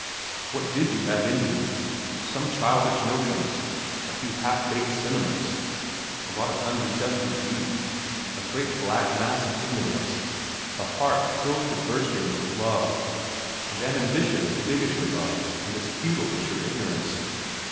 What did you have in you?—some childish notions, a few half baked sentiments, a lot of undigested beauty, a great black mass of ignorance, a heart filled to bursting with love, and an ambition as big as your love and as futile as your ignorance.